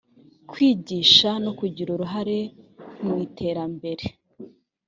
kwigisha no kugira uruhare mu iterambere